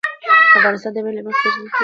افغانستان د منی له مخې پېژندل کېږي.